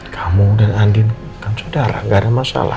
kamu dan andin kan saudara gak ada masalah